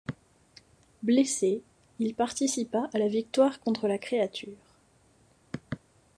Blessé, il participa à la victoire contre la créature.